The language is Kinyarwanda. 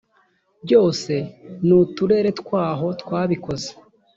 byose n uturere twaho twabikoze